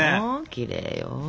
きれいよ。